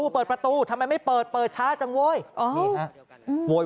เปิดประตูทำไมไม่เปิดเปิดช้าจังโว้ย